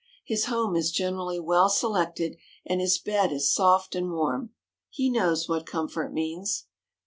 His home is generally well selected and his bed is soft and warm. He knows what comfort means.